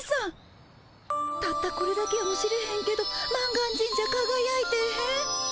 たったこれだけやもしれへんけど満願神社かがやいてへん？